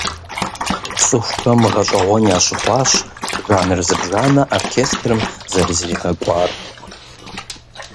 ЦӀыхухэм гъэщӀэгъуэн ящыхъуащ жанр зыбжанэ оркестрым зэрызригъэкӀуар.